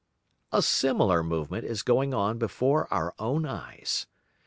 A similar movement is going on before our own eyes.